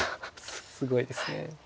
すごいです。